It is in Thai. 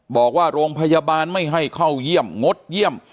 บอกว่าโรงพยาบาลไม่ให้เข้าเยี่ยมงดเยี่ยม